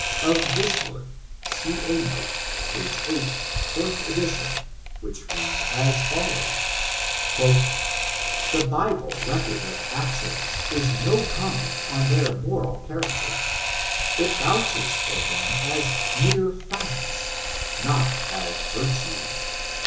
Of this work, sec a note, page 9, 4th edition, which reads as follows: " The Bible record oi actions is no commeiU on their moral chamcter. It vouches for them as mere facts, not as virtues.